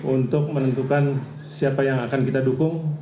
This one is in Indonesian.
untuk menentukan siapa yang akan kita dukung